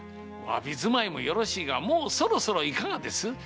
侘び住まいもよろしいがもうそろそろいかがです？